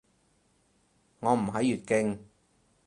我唔喺粵境